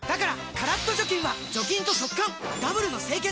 カラッと除菌は除菌と速乾ダブルの清潔！